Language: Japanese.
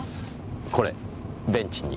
これベンチに。